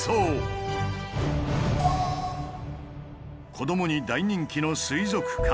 子供に大人気の水族館。